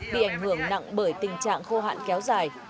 bị ảnh hưởng nặng bởi tình trạng khô hạn kéo dài